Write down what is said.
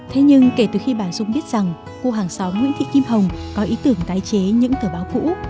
thế nhưng kể từ khi bà dung biết rằng cô hàng xóm nguyễn thị kim hồng có ý tưởng tái chế những tờ báo cũ